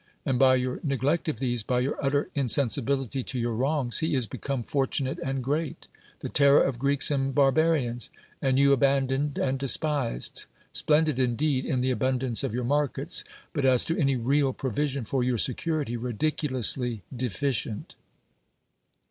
And by your neg lect of these, by your utter insensibility to your wrongs, he is become fortunate and great, the terror of Creeks and Barbarians; and you aban doned and despised ; splendid indeed in the abundance of your markets; but as to any real provision for your security, ridiculously defi cient.